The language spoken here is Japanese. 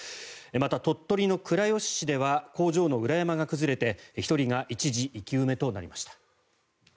また、鳥取の倉吉市では工場の裏山が崩れて１人が一時生き埋めとなりました。